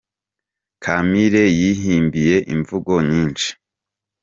Kampire yihimbiye imvugo nyinshi.